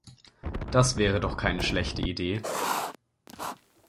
Das wäre doch keine schlechte Idee.